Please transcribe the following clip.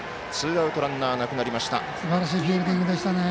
ツーアウトランナーなくなりました。